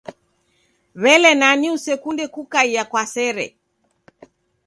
W'ele nani usekunde kukaia kwa sere?